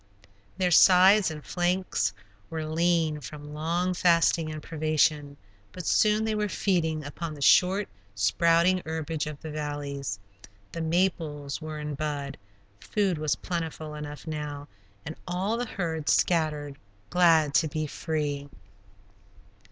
Their sides and flanks were lean from long fasting and privation, but soon they were feeding upon the short, sprouting herbage of the valleys. The maples were in bud; food was plentiful enough now, and all the herd scattered, glad to be free.